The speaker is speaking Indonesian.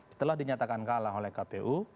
setelah dinyatakan kalah oleh kpu